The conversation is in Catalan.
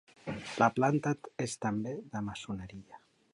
La planta és també de maçoneria.